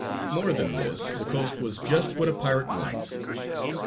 _)] More than this, the coast was just what a pirate wants.